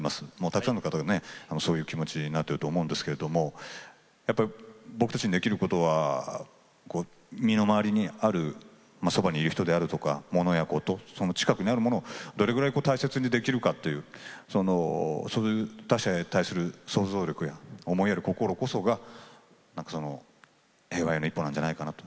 たくさんの方がそういう気持ちになっていると思いますけどやっぱり僕たちにできることは身の回りにあるそばにいる人であるとかものやこと、近くにあるものをどれぐらい大切にできるかっていうことそういう他者へ対する想像力思いやる心こそが平和への一歩なんじゃないかなと。